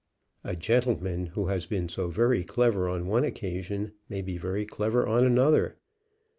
"A gentleman who has been so very clever on one occasion may be very clever on another."